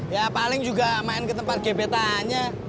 ya paling juga main ke tempat gpt annya